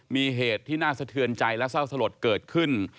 มีเหตุที่น่าสะเทือนใจและเศร้าสลดเกิดขึ้น